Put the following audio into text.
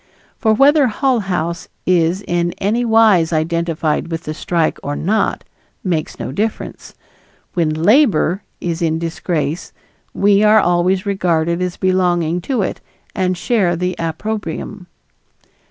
For whether Hull House is in any wise identified with the strike or not, makes no difference. When "Labor" is in disgrace we are always regarded as belonging to it and share the opprobrium.